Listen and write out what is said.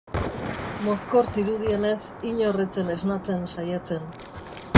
Mozkor zirudienez, inor ez zen esnatzen saiatzen.